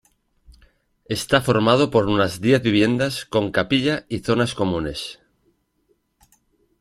Está formado por unas diez viviendas con capilla y zonas comunes.